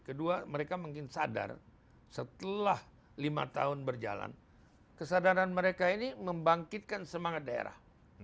kedua mereka mungkin sadar setelah lima tahun berjalan kesadaran mereka ini membangkitkan semangat daerah